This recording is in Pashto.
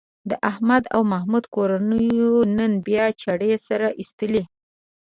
د احمد او محمود کورنیو نن بیا چاړې سره ایستلې.